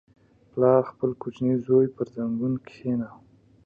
• پلار خپل کوچنی زوی پر زنګون کښېناوه.